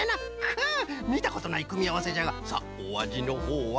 くうみたことないくみあわせじゃがさあおあじのほうは。